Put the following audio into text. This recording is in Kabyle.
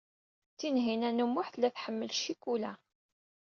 Tinhinan u Muḥ tella tḥemmel ccikula.